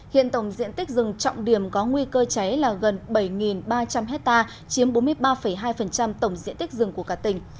hiện tổng diện tích rừng trọng điểm có nguy cơ cháy là gần bảy ba trăm linh hectare chiếm bốn mươi ba hai tổng diện tích rừng của cả tỉnh